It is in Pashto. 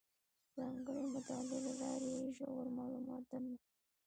ځانګړې مطالعې له لارې یې ژور معلومات درلودل.